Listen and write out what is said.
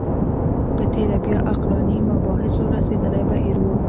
په تېره بیا عقلاني مباحثو رسېدلی بهیر و